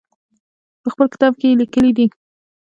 په خپل کتاب کې یې لیکلي دي.